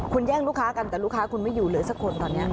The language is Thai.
คุณแย่งลูกค้ากันแต่ลูกค้าคุณไม่อยู่เลยสักคนตอนนี้